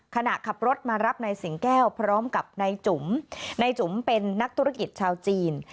ขณะขับรถมารับนายสิงแก้วพร้อมกับนายจุ๋มนายจุ๋มเป็นนักธุรกิจชาวจีน